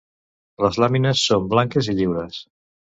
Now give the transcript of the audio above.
Les làmines són blanques i lliures.